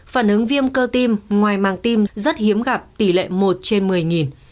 phản ứng viêm cơ tiêm ngoài màng tiêm rất hiếm gặp tỷ lệ một trên một mươi